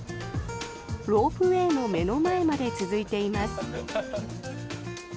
ロープウェーの目の前まで続いています。